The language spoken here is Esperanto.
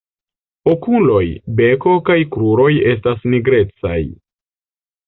Okuloj, beko kaj kruroj estas nigrecaj.